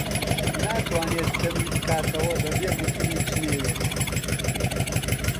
ناتوانێت دەمی بکاتەوە بەبێ گوتنی جنێوێک.